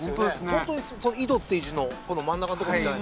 ホントに井戸っていう字のこの真ん中のとこみたいな。